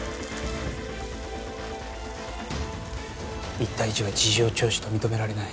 １対１は事情聴取と認められない。